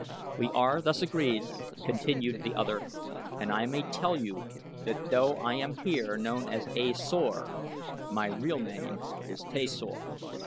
"We are thus agreed," continued the other, "and I may tell you that though I am here known as A Sor, my real name is Tasor."